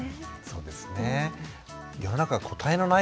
そうですね。